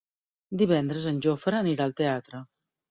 Divendres en Jofre anirà al teatre.